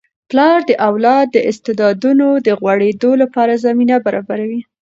پلار د اولاد د استعدادونو د غوړیدو لپاره زمینه برابروي.